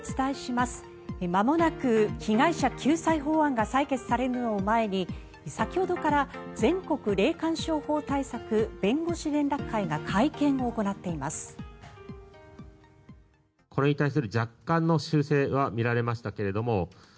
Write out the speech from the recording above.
まもなく被害者救済法案が採決されるのを前に先ほどから全国霊感商法対策弁護士連絡会が会見を行っています。